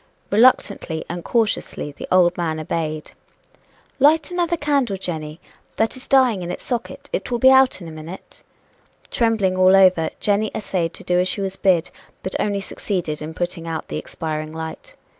Reluctantly and cautiously the old man obeyed. "Light another candle, Jenny that is dying in its socket it will be out in a minute." Trembling all over, Jenny essayed to do as she was bid, but only succeeded in putting out the expiring light.